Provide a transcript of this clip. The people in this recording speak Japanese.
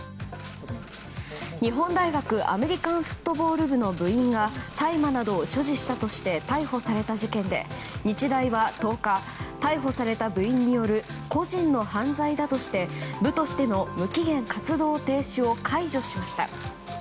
日本大学アメリカンフットボール部の部員が大麻などを所持したとして逮捕された事件で日大は１０日逮捕された部員による個人の犯罪だとして部としての無期限活動停止を解除しました。